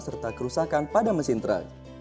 serta kerusakan pada mesin truk